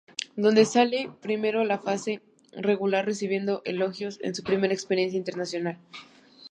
Donde sale primero en La fase regular, recibiendo elogios en su primera experiencia Internacional.